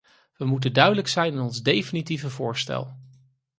We moeten duidelijk zijn in ons definitieve voorstel.